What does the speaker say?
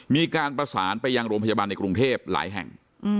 มีการประสานไปยังโรงพยาบาลในกรุงเทพหลายแห่ง